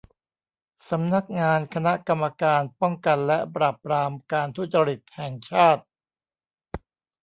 สำนักงานคณะกรรมการป้องกันและปราบปรามการทุจริตแห่งชาติ